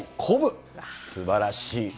鼓舞、すばらしい。